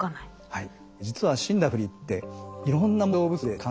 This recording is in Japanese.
はい。